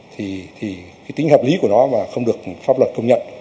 thì thì cái tính hợp lý của nó mà không được pháp luật công nhận